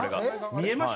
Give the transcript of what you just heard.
見えました？